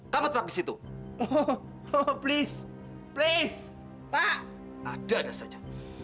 kamu tetap di situ oh oh please please pak ada ada saja